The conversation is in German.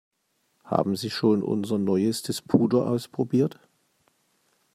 Haben Sie schon unser neuestes Puder ausprobiert?